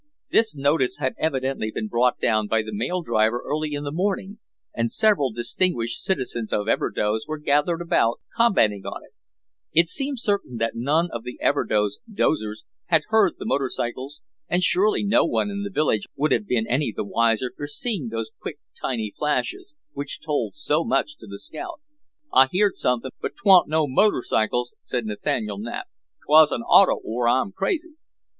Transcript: This notice had evidently been brought down by the mail driver early in the morning and several distinguished citizens of Everdoze were gathered about commenting on it. It seemed certain that none of the Everdoze dozers had heard the motorcycles and surely no one in the village would have been any the wiser for seeing those quick, tiny flashes, which told so much to the scout. "I heerd somethin' but 'twan't no motorcycles," said Nathaniel Knapp; "'twas a auto or I'm crazy."